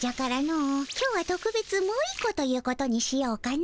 今日はとくべつもう１個ということにしようかの。